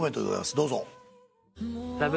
どうぞ。